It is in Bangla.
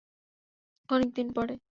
অনেক দিন পরে!